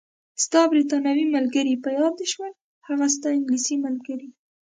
ستا بریتانوي ملګرې، په یاد دې شول؟ هغه ستا انګلیسۍ ملګرې.